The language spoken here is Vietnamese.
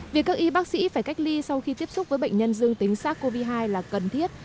việc các y bác sĩ phải cách ly sau khi tiếp xúc với bệnh nhân dư tính sát covid hai là cần thiết